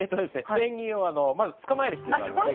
ペンギンをまず捕まえる必要があります。